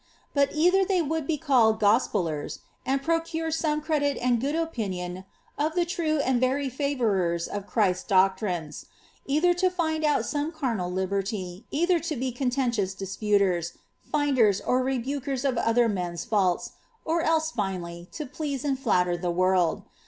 But either they would be called gofpeliers^ and pnxrure some credit and good opinion of the true and very favourers of Christ's doctrines, either tu find out some carnal liberty, cither to be contentious clisputer?, finders, or rebukers of otlier men's &niL<*, or else, finally, to please and flatter the world.